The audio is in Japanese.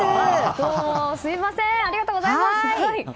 どうも、すみませんありがとうございます。